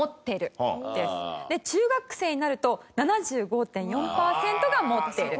で中学生になると７５．４パーセントが「持ってる」。